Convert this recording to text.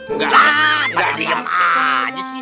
enggak enggak diem aja sih pokoknya